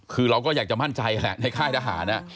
คือเราก็อยากจะมั่นใจแหละในค่ายทหาร